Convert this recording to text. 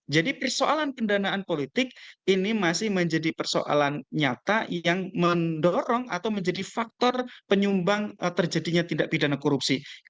jadi persoalan pendanaan politik ini masih menjadi persoalan nyata yang mendorong atau menjadi faktor penyumbang terjadinya tindak pidana korupsi